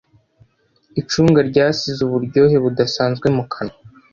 Icunga ryasize uburyohe budasanzwe mu kanwa.